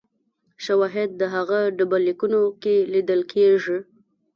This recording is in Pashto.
شواهد په هغو ډبرلیکونو کې لیدل کېږي